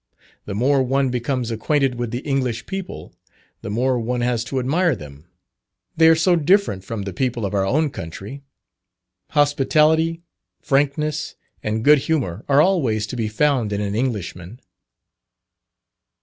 The more one becomes acquainted with the English people, the more one has to admire them. They are so different from the people of our own country. Hospitality, frankness, and good humour, are always to be found in an Englishman.